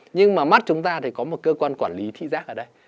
nhưng mà mắt chúng ta thì có một cơ quan quản lý thị giác ở đây